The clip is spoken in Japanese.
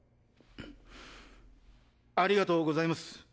ありがとうございます。